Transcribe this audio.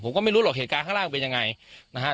ผมก็ไม่รู้หรอกเหตุการณ์ข้างล่างเป็นยังไงนะฮะ